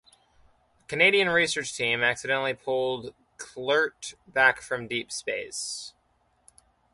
A Canadian research team accidentally pulls Kl'rt back from deep space.